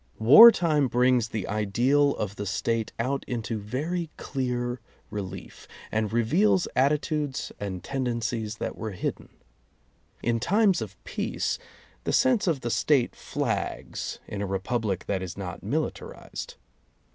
Wartime brings the ideal of the State out into very clear relief, and reveals attitudes and ten dencies that were hidden. In times of peace the sense of the State flags in a republic that is not militarized.